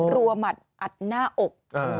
รัวหมัดอัดหน้าอก